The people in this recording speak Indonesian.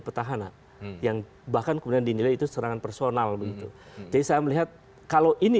petahana yang bahkan kemudian dinilai itu serangan personal begitu jadi saya melihat kalau ini